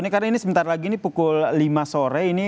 ini karena ini sebentar lagi ini pukul lima sore ini